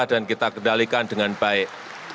dan kita kendalikan dengan baik